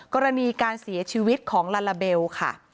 กรณีการเสียชีวิตของลาลาเบลค่ะ